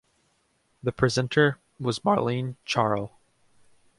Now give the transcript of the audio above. The presenter was Marlene Charell.